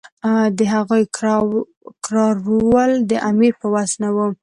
د هغوی کرارول د امیر په وس نه وو.